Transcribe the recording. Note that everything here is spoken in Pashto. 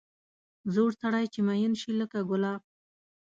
زوړ سړی چې مېن شي لکه ګلاب.